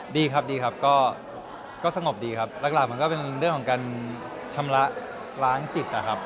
ดีครับดีครับก็สงบดีครับหลักมันก็เป็นเรื่องของการชำระล้างจิตนะครับ